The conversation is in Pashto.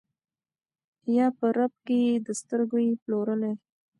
یا په رپ کي یې د سترګو یې پلورلی